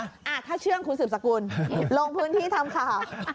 ถ้าเชื่องคุณสืบสกุลลงพื้นที่ทำข่าว